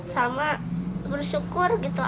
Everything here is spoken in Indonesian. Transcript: salma bersyukur gitu